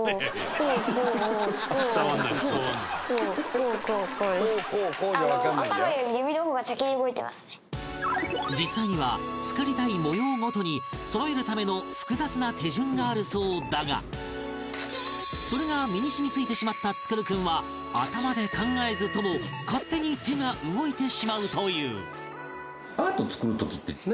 「伝わんない伝わんない」実際には作りたい模様ごとに揃えるための複雑な手順があるそうだがそれが身に染みついてしまった創君は頭で考えずとも勝手に手が動いてしまうという